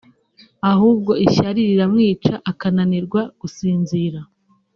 ahubwo ishyari riramwica akananirwa gusinzira